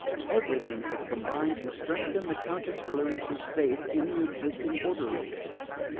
Everything had combined to strengthen the Countess Clarice's faith in the existing order of things.